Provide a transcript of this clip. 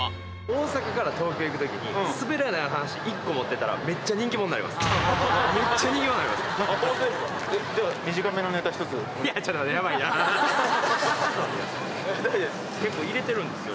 大阪から東京行くときに、すべらない話、１個持ってたらめっちゃ人気者になれます。